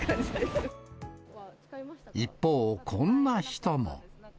一方、こんな人も。